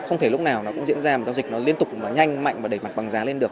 không thể lúc nào nó cũng diễn ra mà giao dịch nó liên tục nó nhanh mạnh và đẩy mặt bằng giá lên được